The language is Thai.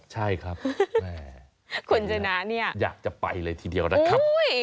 ใช่ครับแหมคุณชนะเนี่ยอยากจะไปเลยทีเดียวนะครับ